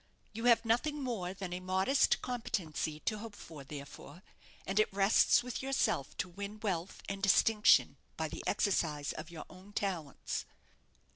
You have nothing more than a modest competency to hope for, therefore; and it rests with yourself to win wealth and distinction by the exercise of your own talents."